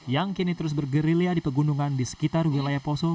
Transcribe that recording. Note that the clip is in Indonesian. yang kini terus bergerilya di pegunungan di sekitar wilayah poso